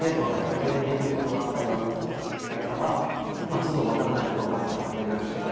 俺にできることがあったら何でもやるからつど分からないところがあったら連絡してくれ」